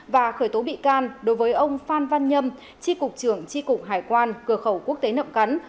và khởi tố bị can đối với ông phan văn nhâm tri cục trưởng tri cục hải quan cửa khẩu quốc tế nậm cắn